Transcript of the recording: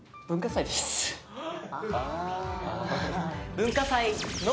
文化祭の。